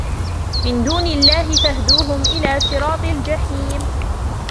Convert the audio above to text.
مِنْ دُونِ اللَّهِ فَاهْدُوهُمْ إِلَى صِرَاطِ الْجَحِيمِ